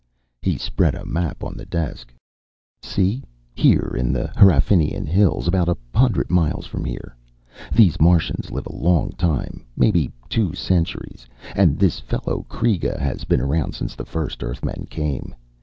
He spread a map on the desk. "See, here in the Hraefnian Hills, about a hundred miles from here. These Martians live a long time, maybe two centuries, and this fellow Kreega has been around since the first Earthmen came.